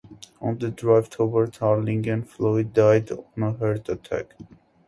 On the drive toward Harlingen, Floyd died of a heart attack.